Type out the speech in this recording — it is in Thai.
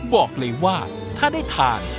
บอกเลยว่าถ้าได้ทาน